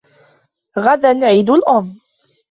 غداً عيد الأم.